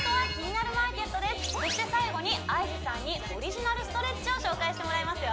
そして最後にＩＧさんにオリジナルストレッチを紹介してもらいますよ